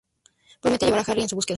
Promete llevar a Harry en su búsqueda.